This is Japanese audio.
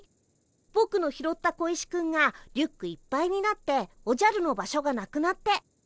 ぼくの拾った小石くんがリュックいっぱいになっておじゃるの場所がなくなって。